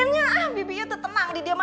kamu bisa tenang di sana